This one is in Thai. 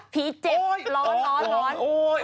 ผีเจ็บร้อนร้อนร้อน